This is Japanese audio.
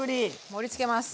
盛りつけます。